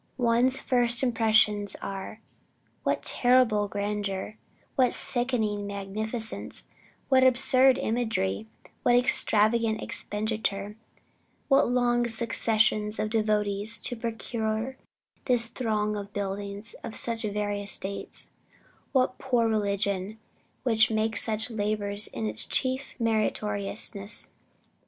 One's first impressions are, what terrible grandeur; what sickening magnificence; what absurd imagery; what extravagant expenditure; what long successions of devotees to procure this throng of buildings of such various dates; what a poor religion which makes such labors its chief meritoriousness!